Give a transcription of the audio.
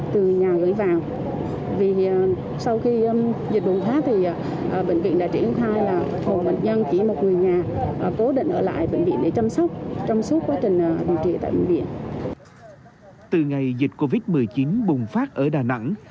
từ ngày dịch covid một mươi chín bùng phát ở đà nẵng